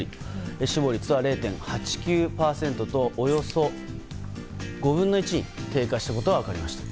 死亡率は０．８９％とおよそ５分の１に低下していることが分かりました。